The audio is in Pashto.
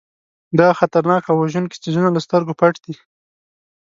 دغه خطرناک او وژونکي څیزونه له سترګو پټ دي.